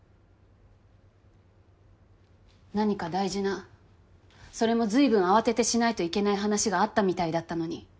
何か大事なそれも随分慌ててしないといけない話があったみたいだったのに。